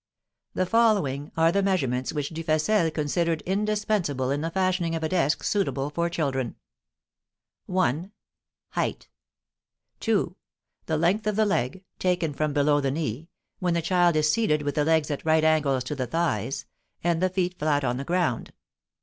The following are the measurements which Dufessel considered indispensable in the fashioning of a desk suitable for children: 1. Height. 2. The length of the leg, taken from below the knee, when the child is seated with the legs at right angles to the thighs, and the feet flat on the ground.